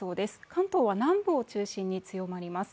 関東は南部を中心に強まります。